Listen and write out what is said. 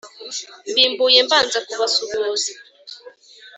Mbimbuye mbanza kubasuhuza